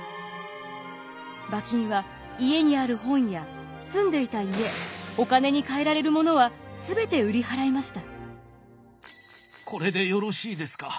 馬琴は家にある本や住んでいた家お金に換えられるものは全て売り払いました。